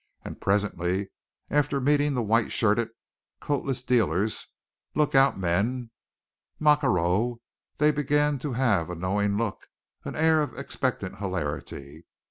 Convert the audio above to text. And presently, after meeting the white shirted, coatless dealers, lookout men, macquereaux, they began to have a knowing look, an air of expectant hilarity.